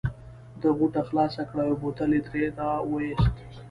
ده غوټه خلاصه کړه او یو بوتل یې ترې را وایست.